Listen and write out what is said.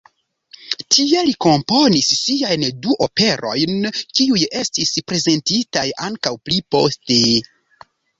Tie li komponis siajn du operojn, kiuj estis prezentitaj ankaŭ pli poste.